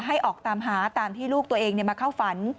ออกตามหาตามที่ลูกตัวเองมาเข้าฝัน